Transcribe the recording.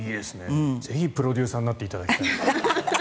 ぜひプロデューサーになっていただきたい。